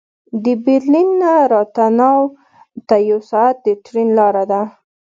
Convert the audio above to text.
د برلین نه راتناو ته یو ساعت د ټرېن لاره ده